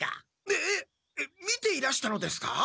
えっ見ていらしたのですか？